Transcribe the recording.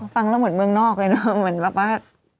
ฟังแล้วเหมือนเมืองนอกเลยเนอะเหมือนแบบว่า